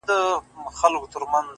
له خوب چي پاڅي. توره تياره وي.